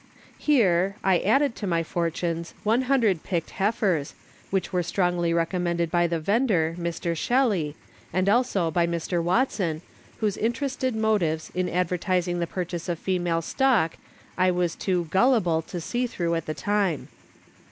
Here I added to my fortunes 100 picked heifers, which were strongly recommended by the vendor, Mr. Shelley, and also by Mr. Watson, whose interested motives in advising the purchase of female stock I was too " gullible " to see through at the time.